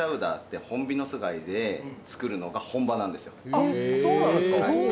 はいあっそうなんですか？